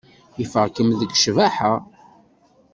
Ifeɣ-kem deg ccbaḥa.